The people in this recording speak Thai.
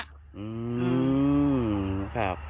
อืมครับ